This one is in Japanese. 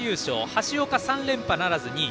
橋岡は３連覇ならず２位。